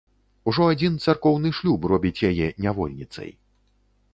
Ужо адзін царкоўны шлюб робіць яе нявольніцай.